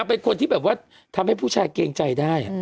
เป็นคนที่แบบว่าทำให้ผู้ชายเกรงใจได้